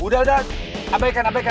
udah udah abaikan abaikan